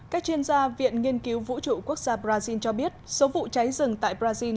các chuyên gia viện nghiên cứu vũ trụ quốc gia brazil cho biết số vụ cháy rừng tại brazil